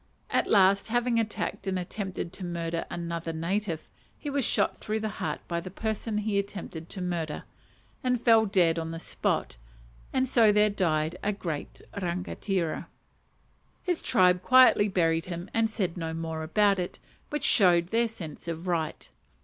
At last, having attacked and attempted to murder another native, he was shot through the heart by the person he attempted to murder, and fell dead on the spot, and so there died "a great rangatira." His tribe quietly buried him and said no more about it, which showed their sense of right.